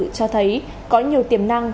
cho thấy có nhiều tiềm năng